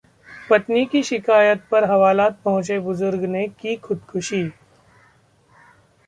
पत्नी की शिकायत पर हवालात पहुंचे बुजुर्ग ने की खुदकुशी